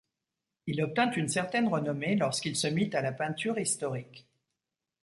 Il obtint une certaine renommée lorsqu'il se mit à la peinture historique.